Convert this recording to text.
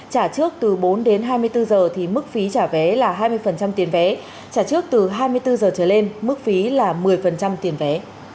trả trước từ bốn đến hai mươi bốn giờ thì mức phí trả vé là hai mươi tiền vé trả trước từ hai mươi bốn giờ trở lên mức phí là một mươi tiền vé